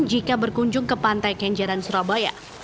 jika berkunjung ke pantai kenjeran surabaya